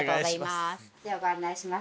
ではご案内します。